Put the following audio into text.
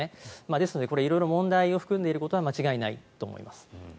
ですので色々問題を含んでいることは間違いないと思います。